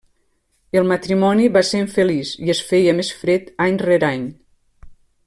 El matrimoni va ser infeliç i es feia més fred any rere any.